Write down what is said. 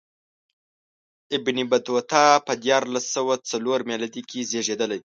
ابن بطوطه په دیارلس سوه څلور میلادي کې زېږېدلی.